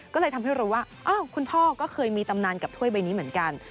ก็เลยทำให้รู้ว่าคุณพ่อก็เคยมีตำนานกับถ้วยใบนี้เหมือนกัน